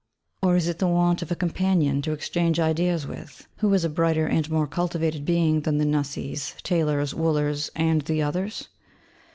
Or is it the want of a companion to exchange ideas with, who is a brighter and more cultivated being than the Nusseys, Taylors, Woolers, and the others?